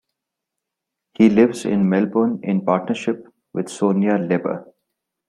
He lives in Melbourne in partnership with Sonia Leber.